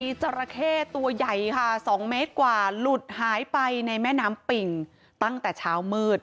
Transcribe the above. มีจราเข้ตัวใหญ่ค่ะ๒เมตรกว่าหลุดหายไปในแม่น้ำปิ่งตั้งแต่เช้ามืด